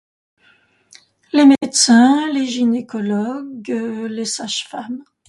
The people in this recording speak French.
Les médecins, les gynécologues, les sages-femmes.